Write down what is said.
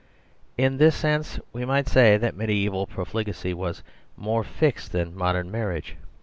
In this sense we might say that mediaeval profligacy was more fixed than modern marriage.